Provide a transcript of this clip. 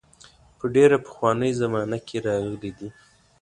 په ډېره پخوانۍ زمانه کې راغلي دي.